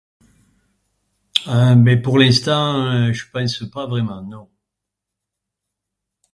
Ah, mais pour l'instant, je pense pas vraiment, non.